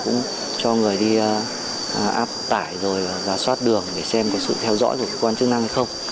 cũng cho người đi áp tải rồi giả soát đường để xem có sự theo dõi của cơ quan chức năng hay không